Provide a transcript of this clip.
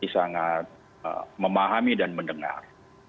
sangat memahami dan mendengar